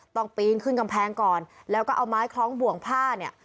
ปีนขึ้นกำแพงก่อนแล้วก็เอาไม้คล้องบ่วงผ้าเนี่ย